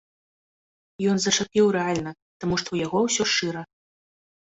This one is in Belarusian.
Ён зачапіў рэальна, таму што ў яго ўсё шчыра.